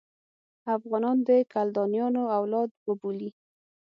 افغانان د کلدانیانو اولاد وبولي.